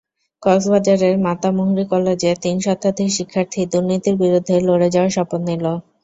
কক্সবাজারের মাতামুহুরী কলেজের তিন শতাধিক শিক্ষার্থী দুর্নীতির বিরুদ্ধে লড়ে যাওয়ার শপথ নিল।